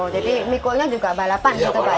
jadi mikulnya juga balapan gitu pak ya